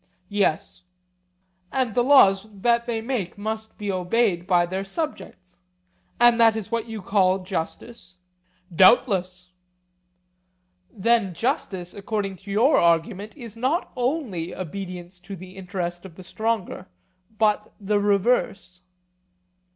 Yes. And the laws which they make must be obeyed by their subjects,—and that is what you call justice? Doubtless. Then justice, according to your argument, is not only obedience to the interest of the stronger but the reverse?